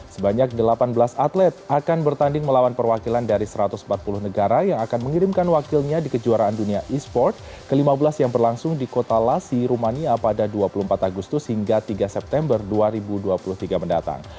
sebanyak delapan belas atlet akan bertanding melawan perwakilan dari satu ratus empat puluh negara yang akan mengirimkan wakilnya di kejuaraan dunia e sport ke lima belas yang berlangsung di kota lasi rumania pada dua puluh empat agustus hingga tiga september dua ribu dua puluh tiga mendatang